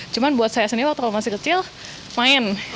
cuman buat saya sendiri waktu masih kecil main